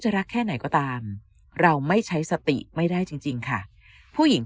รักแค่ไหนก็ตามเราไม่ใช้สติไม่ได้จริงค่ะผู้หญิง